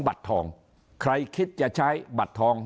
บัตรทองใครคิดจะใช้บัตรทอง